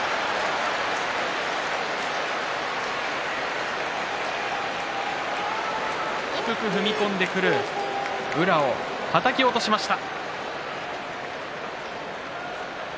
拍手低く踏み込んでくる宇良をはたき落としました。